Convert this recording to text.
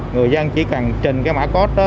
người dân chỉ cần trên cái mã code